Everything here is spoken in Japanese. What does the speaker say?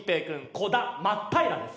小田真平です。